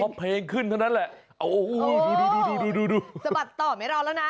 เพราะเพลงขึ้นเท่านั้นแหละโอ้โหดูสะบัดต่อไม่รอแล้วนะ